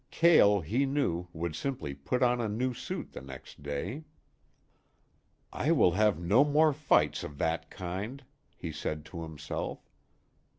Cale, he knew, would simply put on a new suit next day. "I will have no more fights of that kind," he said to himself.